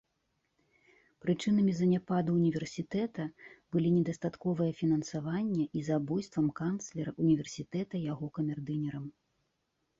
Прычынамі заняпаду ўніверсітэта былі недастатковае фінансаванне і забойствам канцлера ўніверсітэта яго камердынерам.